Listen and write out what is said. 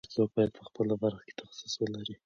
هر څوک باید په خپله برخه کې تخصص ولري.